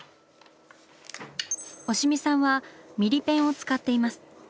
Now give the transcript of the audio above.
押見さんはミリペンを使っています。